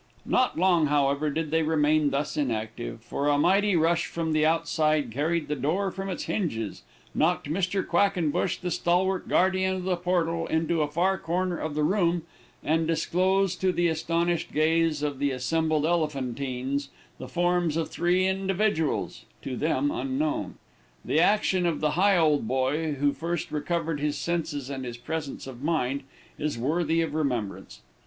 Not long, however, did they remain thus inactive, for a mighty rush from the outside carried the door from its hinges, knocked Mr. Quackenbush, the stalwart guardian of the portal, into a far corner of the room, and disclosed to the astonished gaze of the assembled Elephantines, the forms of three individuals, to them unknown. The action of the Higholdboy, who first recovered his senses and his presence of mind, is worthy of remembrance.